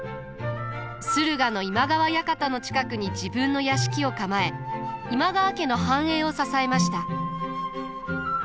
駿河の今川館の近くに自分の屋敷を構え今川家の繁栄を支えました。